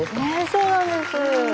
そうなんです。